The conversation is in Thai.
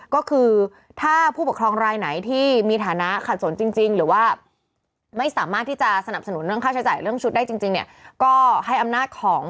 ก็คือถ้าผู้ปกครองรายไหนที่มีฐานะขัดสนจริงหรือว่าไม่สามารถที่จะสนับสนุนเรื่องค่าใช้จ่ายเรื่องชุดได้จริงเนี่ยก็ให้อำนาจของ